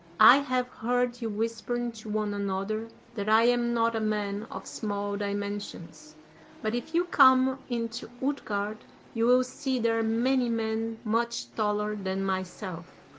I have heard you whispering to one another that I am not a man of small dimensions; but if you come into Utgard you will see there many men much taller than myself.